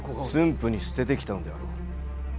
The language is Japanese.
府に捨ててきたのであろう。